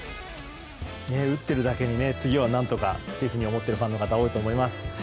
打っているだけに次は何とかと思っているファンの方多いと思います。